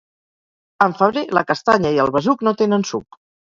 En febrer, la castanya i el besuc no tenen suc.